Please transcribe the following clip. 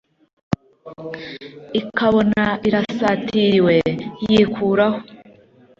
ikabona irasatiriwe, yikuraho